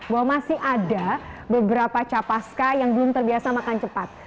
bahwa masih ada beberapa capaska yang belum terbiasa makan cepat